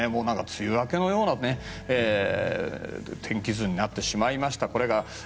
梅雨明けのような天気図になってしまいました。